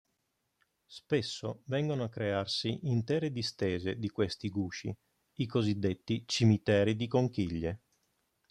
Spesso vengono a crearsi intere distese di questi gusci, i cosiddetti "cimiteri di conchiglie".